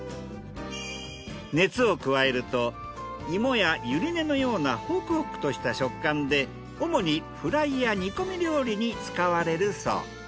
熱を加えるとイモやユリ根のようなホクホクとした食感で主にフライや煮込み料理に使われるそう。